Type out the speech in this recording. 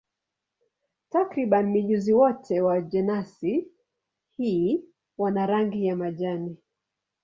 Takriban mijusi wote wa jenasi hii wana rangi ya majani.